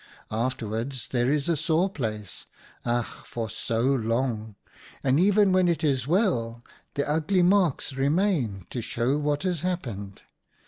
Afterwards there is a sore place — ach, for so long! — and even when it is well, the ugly marks remain to show what has hap pened.